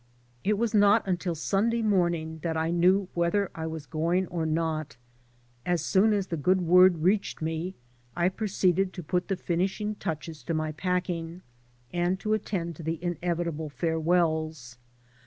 It was not until Sunday morning that I knew whether I was going or not. As soon as the good word reached me I proceeded to put the finishing touches to my packing and to attend to the inevitable farewells.